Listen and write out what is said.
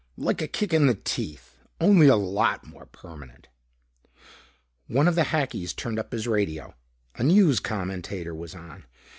Like a kick in the teeth only a lot more permanent. One of the hackies turned up his radio. A news commentator was on.